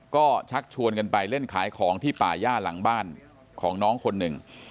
ก็ชักชวนกันไปเล่นขายของที่ป่าย่าหลังบ้านของน้องคนหนึ่ง